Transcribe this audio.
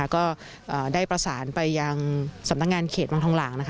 ก็ได้ประสานไปยังสำนักงานเขตวังทองหลาง